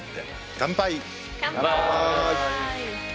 乾杯！